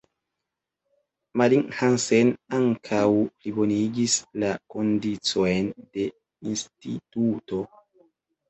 Malling-Hansen ankaŭ plibonigis la kondiĉojn de Instituto.